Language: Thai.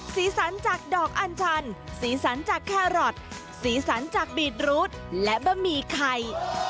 สีสันจากดอกอันชันสีสันจากแครอทสีสันจากบีดรูดและบะหมี่ไข่